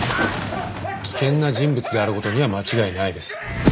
危険な人物である事には間違いないです。